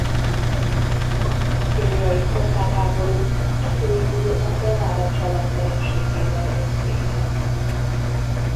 A kasztíliai polgárháború így végül a de Lara család vereségével ért véget.